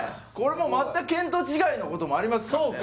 もう全く見当違いのこともありますからね